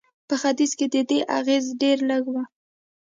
په ختیځ کې د دې اغېز ډېر لږ و.